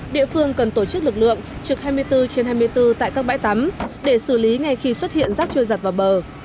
địa phương cần tổ chức lực lượng trực hai mươi bốn trên hai mươi bốn tại các bãi tắm để xử lý ngay khi xuất hiện rác trôi giặt vào bờ